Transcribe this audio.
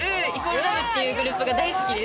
ＬＯＶＥっていうグループが大好きです。